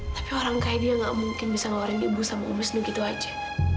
tapi orang kayak dia gak mungkin bisa ngeluarin ibu sama um wisnu gitu aja